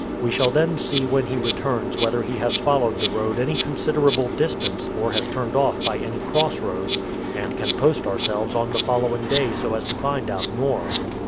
We shall then see when he returns whether he has followed the road any considerable distance or has turned off by any crossroads, and can post ourselves on the following day so as to find out more."